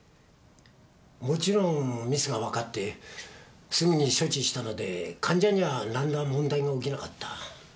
もちろんミスがわかってすぐに処置したので患者には何ら問題は起きなかった。